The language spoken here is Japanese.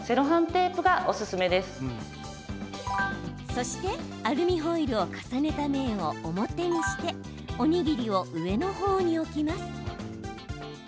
そして、アルミホイルを重ねた面を表にしておにぎりを上の方に置きます。